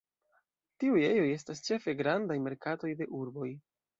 Tiuj ejoj estas ĉefe grandaj merkatoj de urboj.